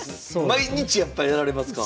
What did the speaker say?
毎日やっぱやられますか？